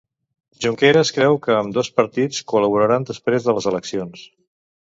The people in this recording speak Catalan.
Junqueras creu que ambdós partits col·laboraran després de les eleccions.